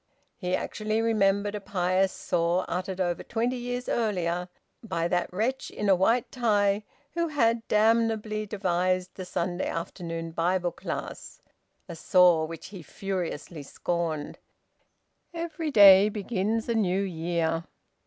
He actually remembered a pious saw uttered over twenty years earlier by that wretch in a white tie who had damnably devised the Saturday afternoon Bible class, a saw which he furiously scorned "Every day begins a New Year."